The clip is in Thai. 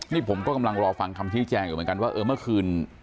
นี่ผมก็กำลังรอฟังคำชี้แจงอยู่เหมือนกันว่าเออเมื่อคืน